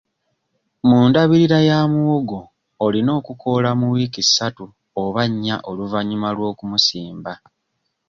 Mu ndabirira ya muwogo olina okukoola mu wiiki ssatu oba nnya oluvannyuma lw'okumusimba.